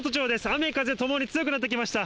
雨風ともに強くなってきました。